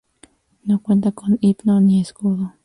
No cuenta con himno ni escudo.